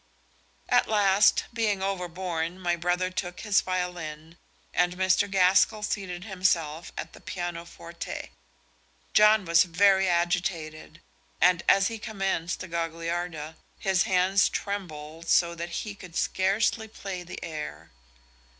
At last, being overborne, my brother took his violin, and Mr. Gaskell seated himself at the pianoforte. John was very agitated, and as he commenced the Gagliarda his hands trembled so that he could scarcely play the air.